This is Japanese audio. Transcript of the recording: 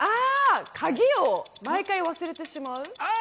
鍵を毎回忘れてしまう。